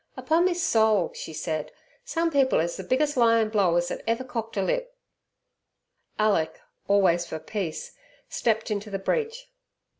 "Upon me soul," she said, "sum people is the biggest lyin' blowers that ever cockt er lip." Alick, always for peace, stepped into the breach.